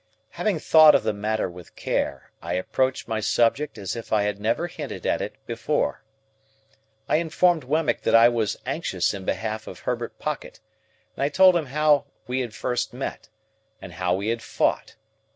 Having thought of the matter with care, I approached my subject as if I had never hinted at it before. I informed Wemmick that I was anxious in behalf of Herbert Pocket, and I told him how we had first met, and how we had fought.